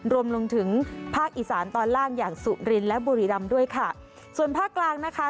รวมถึงภาคอีสานตอนล่างอย่างสุรินและบุรีรำด้วยค่ะส่วนภาคกลางนะคะ